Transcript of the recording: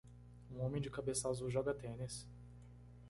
Um homem de cabeça azul joga tênis.